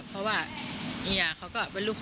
เพราะว่าแย้งยากเขาก็เป็นครูแรก